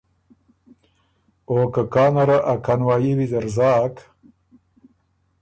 او که کانه ره ا کانوايي ویزر زاک